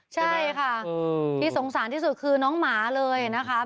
ใช่ค่ะที่สงสารที่สุดคือน้องหมาเลยนะคะ